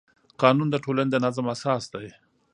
قانون د ټولنې د نظم اساس دی.